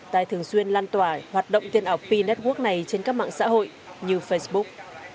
tài thường xuyên lan tỏa hoạt động tiền ảo p network này trên các mạng xã hội như facebook